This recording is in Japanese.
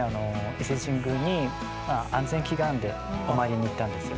伊勢神宮に安全祈願でお参りに行ったんですよ。